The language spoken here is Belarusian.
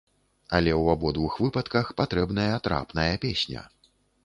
Але ў абодвух выпадках патрэбная трапная песня.